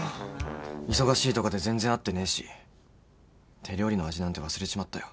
忙しいとかで全然会ってねえし手料理の味なんて忘れちまったよ。